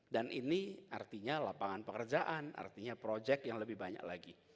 dan ini artinya lapangan pekerjaan artinya project yang lebih banyak lagi